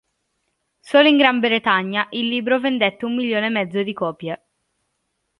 Solo in Gran Bretagna il libro vendette un milione e mezzo di copie.